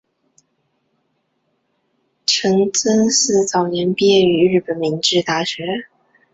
陈曾栻早年毕业于日本明治大学。